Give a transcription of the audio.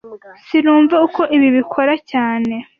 Sinumva uko ibi bikora cyane